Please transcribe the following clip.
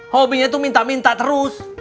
hobinya itu minta minta terus